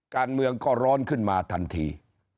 การเมืองก็ร้อนขึ้นมาทันที